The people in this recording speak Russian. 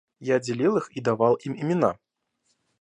Я делил их и давал им имена.